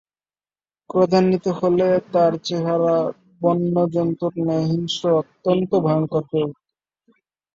ক্রোধান্বিত হলে তার চেহারা বন্যজন্তুর ন্যায় হিংস্র ও অত্যন্ত ভয়ঙ্কর হয়ে উঠত।